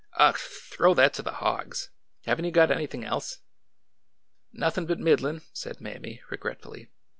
Ugh !— throw that to the hogs ! Have n't you got anything else?" Nothin' but middlin'*" said Mammy, regretfully.